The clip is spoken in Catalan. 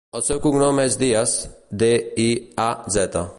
El seu cognom és Diaz: de, i, a, zeta.